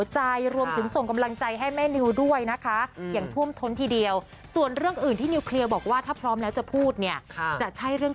แล้วก็หลังจากนั้นก็จะมีเพื่อนในวงการบันเทิง